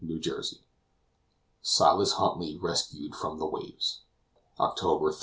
CHAPTER XVI SILAS HUNTLY RESCUED FROM THE WAVES OCTOBER 30.